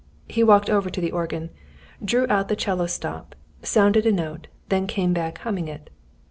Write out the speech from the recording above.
He walked over to the organ, drew out the 'cello stop, sounded a note, then came back humming it.